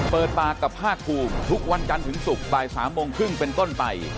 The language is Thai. เปิดปากกับภาคภูมิทุกวันจันทร์ถึงศุกร์บ่าย๓โมงครึ่งเป็นต้นไป